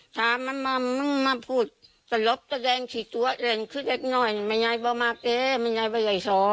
ถามมันมาพูดจะลบจะแดงสีตัวแดงขึ้นเล็กหน่อย